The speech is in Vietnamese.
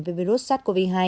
với virus sars cov hai